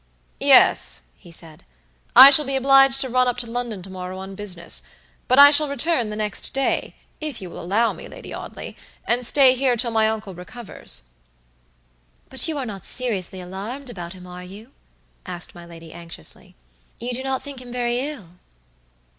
"Yes," he said; "I shall be obliged to run up to London to morrow on business, but I shall return the next day, if you will allow me, Lady Audley, and stay here till my uncle recovers." "But you are not seriously alarmed about him, are you?" asked my lady, anxiously. "You do not think him very ill?"